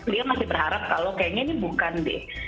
dia masih berharap kalau kayaknya ini bukan deh